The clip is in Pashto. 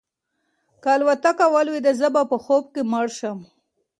که الوتکه ولویده زه به په خوب کې مړ شم.